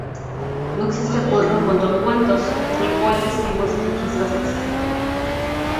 No existe acuerdo en cuanto a cuántos y cuáles tipos de registros existen.